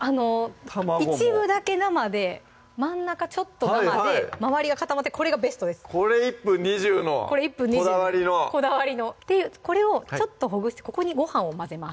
一部だけ生で真ん中ちょっと生で周りが固まってこれがベストですこれ１分２０のこだわりのこだわりのこれをちょっとほぐしてここにご飯を混ぜます